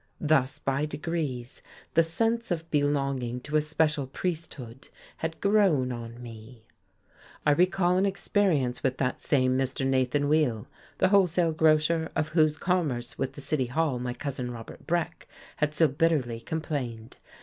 Thus by degrees the sense of belonging to a special priesthood had grown on me. I recall an experience with that same Mr. Nathan. Weill, the wholesale grocer of whose commerce with the City Hall my Cousin Robert Breck had so bitterly complained.